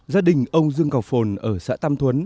gia đình ông dương cò phồn ở xã tam thuấn